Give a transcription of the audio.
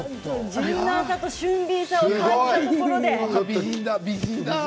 柔軟さと俊敏さを感じたところで。